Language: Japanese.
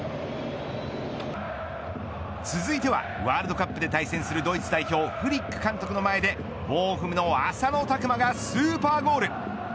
続いてはワールドカップで対戦するドイツ代表フリック監督の前でボーフムの浅野拓磨がスーパーゴール。